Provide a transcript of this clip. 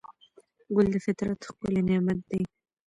ګل د فطرت ښکلی نعمت دی.